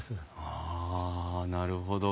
あなるほど。